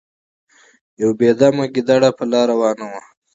یو بې دمه ګیدړه په لاره روانه وه.